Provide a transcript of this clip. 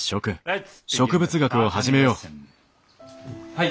はい！